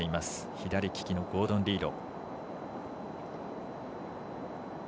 左利きのゴードン・リード。